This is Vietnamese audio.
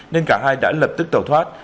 nên cả hai đã lập tức tẩu thoát